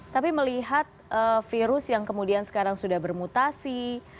tapi melihat virus yang kemudian sekarang sudah bermutasi